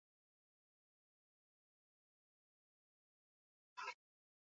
Ekonomian eta enpleguetan izango duen eragina.